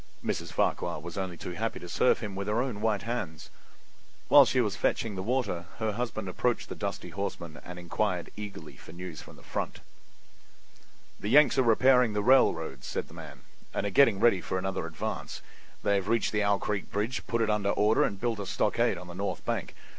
Mrs. Farquhar was only too happy to serve him with her own white hands. While she was fetching the water her husband approached the dusty horseman and inquired eagerly for news from the front. "The Yanks are repairing the railroads," said the man, "and are getting ready for another advance. They have reached the Owl Creek bridge, put it in order and built a stockade on the north bank.